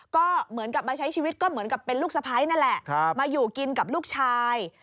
ก็เหมือนกับมาใช้ชีวิตก็เหมือนกับเป็นลูกสะพ้ายนั่นแหละมาอยู่กินกับลูกชาย